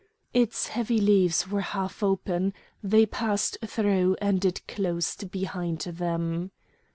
Its heavy leaves were half open; they passed through, and it closed behind them.